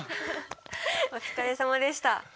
お疲れさまでした。